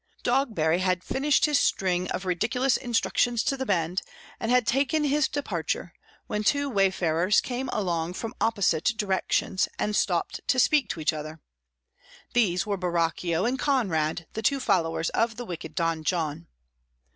Dogberry had finished his string of ridiculous instructions to the band, and had just taken his departure, when two wayfarers came along from opposite directions, and stopped to speak to each other. These were Borachio and Conrade, the two followers of the wicked Don John.